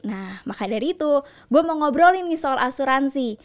nah maka dari itu gue mau ngobrolin nih soal asuransi